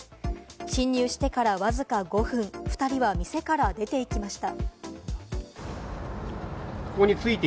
侵入してからわずか５分、２人は店から出て行きました。